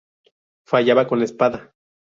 Fallaba con la espada.